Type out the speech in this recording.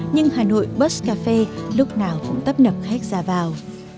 nhưng hà nội bus cà phê lúc nào cũng tấp nập khách ra vào